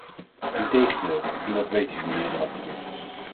Integendeel, en dat weet u, mijnheer de rapporteur.